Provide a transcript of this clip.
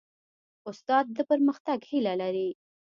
استاد د پرمختګ هیله لري.